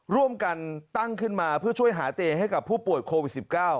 ร่วมกันตั้งขึ้นมาเพื่อช่วยหาเตย์ให้กับผู้ป่วยโควิด๑๙